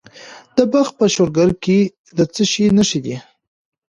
د بلخ په شولګره کې د څه شي نښې دي؟